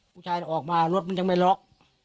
ผู้ชายออกมารถมันยังไม่ล็อก